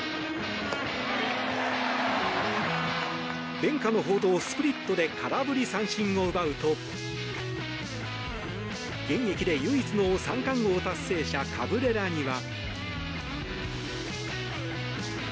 伝家の宝刀スプリットで空振り三振を奪うと現役で唯一の３冠王達成者カブレラには。